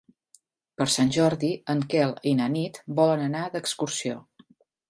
Per Sant Jordi en Quel i na Nit volen anar d'excursió.